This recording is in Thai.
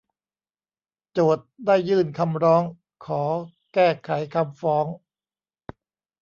โจทก์ได้ยื่นคำร้องขอแก้ไขคำฟ้อง